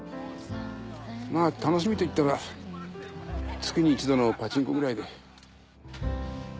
まぁ楽しみといったら月に一度のパチンコぐらいで。